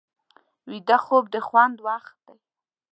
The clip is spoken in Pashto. ویده خوب د خوند وخت دی